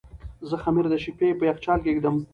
زه خمیر د شپې په یخچال کې ږدم.